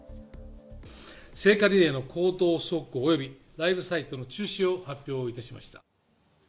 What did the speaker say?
聖火リレーの公道走行およびライブサイトの中止を発表いたしました。